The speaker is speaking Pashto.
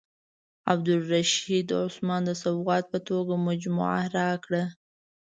عبدالرشید عثمان د سوغات په توګه مجموعه راکړه.